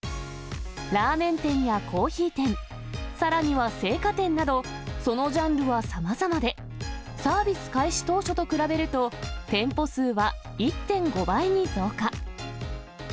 ラーメン店やコーヒー店、さらには生花店など、そのジャンルはさまざまで、サービス開始当初と比べると、店舗数は１．５倍に増加。